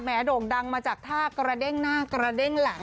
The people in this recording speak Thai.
โด่งดังมาจากท่ากระเด้งหน้ากระเด้งหลัง